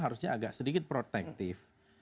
harusnya agak sedikit protektif